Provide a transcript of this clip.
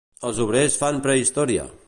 Els obrers fan prehistòria!